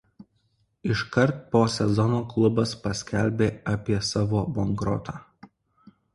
Iškart po sezono klubas paskelbė apie savo bankrotą.